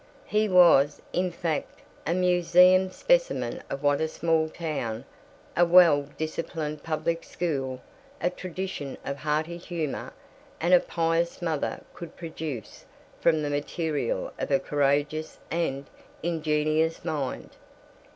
He was, in fact, a museum specimen of what a small town, a well disciplined public school, a tradition of hearty humor, and a pious mother could produce from the material of a courageous and ingenious mind.